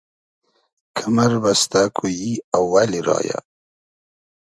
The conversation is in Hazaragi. کئمئر بئستۂ کو ای اوئلی رایۂ